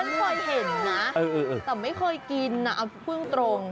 เว้ยนี่ฉันค่อยเห็นนะแต่ไม่เคยกินนะเอาเพิ่งตรง